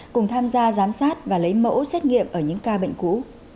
cùng tham gia giám sát và lấy mẫu xét nghiệm ở những ca bệnh cũ